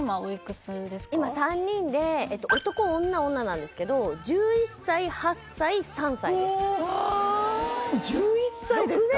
今３人で男女女なんですけど１１歳８歳３歳ですうわ１１歳ですか！